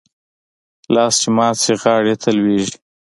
لاس چې مات شي ، غاړي ته لوېږي .